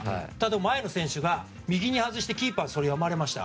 前の選手が右に外してキーパーに読まれました。